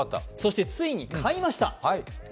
そしてついに買いました。